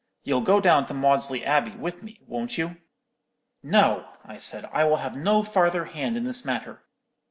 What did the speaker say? You'll go down to Maudesley Abbey with me, won't you?' "'No,' I said; 'I will have no farther hand in this matter.